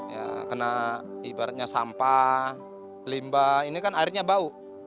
ya kena ibaratnya sampah limba ini kan airnya bau